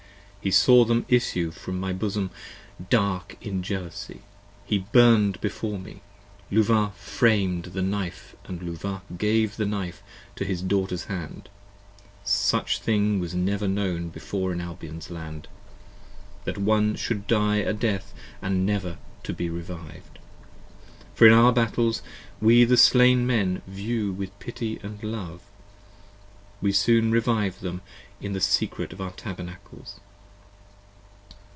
He saw them issue from my bosom, dark in Jealousy He burn'd before me; Luvah fram'd the Knife & Luvah gave The Knife into his daughter's hand ; such thing was never known Before in Albion's land, that one should die a death never to be reviv'd ! 25 For in our battles we the Slain men view with pity and love, We soon revive them in the secret of our tabernacles.